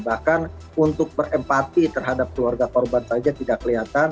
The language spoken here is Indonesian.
bahkan untuk berempati terhadap keluarga korban saja tidak kelihatan